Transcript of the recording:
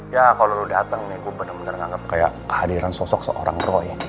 ya kalo lo datang nih gue bener bener nganggep kayak kehadiran sosok seorang roy